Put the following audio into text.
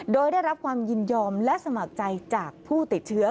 โดยได้รับความยินยอมและสมัครใจจากผู้ติดเชื้อ